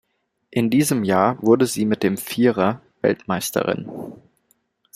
In diesem Jahr wurde sie mit dem Vierer Weltmeisterin.